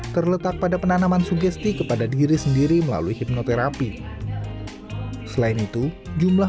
terletak pada penanaman sugesti kepada diri sendiri melalui hipnoterapi selain itu jumlah